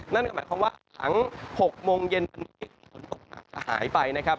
นั่นก็หมายความว่าหลัง๖โมงเย็นวันนี้ฝนตกอาจจะหายไปนะครับ